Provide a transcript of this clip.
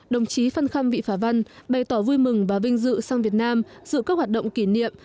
đồng chí phan khâm vị phả văn bày tỏ vui mừng và vinh dự sang việt nam dự các hoạt động kỷ niệm